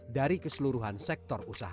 dari keseluruhan sektor usaha